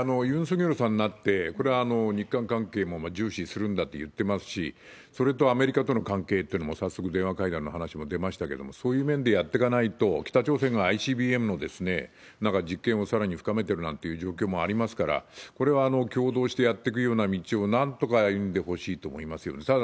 ユン・ソギョルさんになって、これは日韓関係も重視するんだと言ってますし、それとアメリカとの関係っていうのも早速電話会談の話も出ましたけれども、そういう面でやってかないと、北朝鮮がＩＣＢＭのなんか実験をさらに深めてるなんて状況もありますから、これは共同してやってくような道をなんとか歩んでほしいと思いますよね。